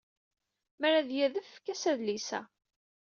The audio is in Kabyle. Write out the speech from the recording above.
Mi ara d-yadef, efk-as adlis-a.